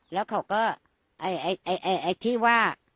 แล้วเขาก็ไอ้ที่ว่า